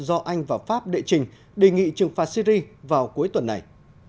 do anh và pháp đệ trình đề nghị trừng phạt syri vào cuối tuần này